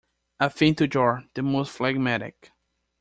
A thing to jar the most phlegmatic.